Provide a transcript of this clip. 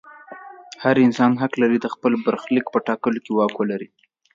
هر انسان حق لري د خپل برخلیک په ټاکلو کې واک ولري.